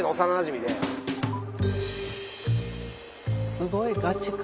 すごいガチ感。